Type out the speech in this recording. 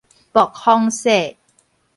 暴風雪